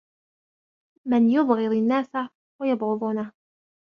مَنْ يُبْغِضُ النَّاسَ وَيُبْغِضُونَهُ